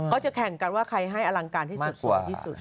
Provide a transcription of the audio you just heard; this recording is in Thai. เขาจะแข่งกันว่าใครให้อลังการที่สูงสุด